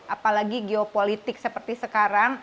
apalagi geopolitik seperti sekarang